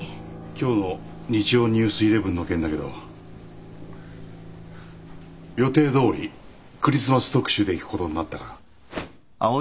今日の『日曜ＮＥＷＳ１１』の件だけど予定どおりクリスマス特集でいくことになったから。